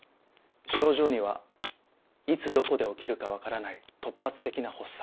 症状にはいつどこで起きるかわからない突発的な発作。